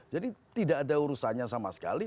jadi tidak ada urusannya sama sekali